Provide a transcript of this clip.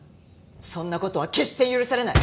そんな事は決して許されない。